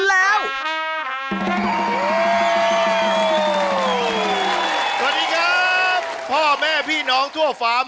ลองส่งประหลาด